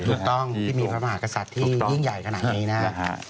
ถูกต้องที่มีพระมหากษัตริย์ที่ยิ่งใหญ่ขนาดนี้นะฮะ